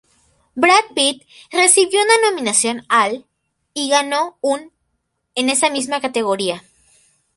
Brad Pitt recibió una nominación al y ganó un en esa misma categoría.